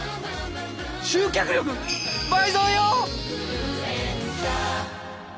集客力倍増よ！